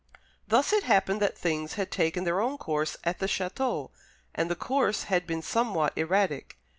Thus it happened that things had taken their own course at the château, and the course had been somewhat erratic.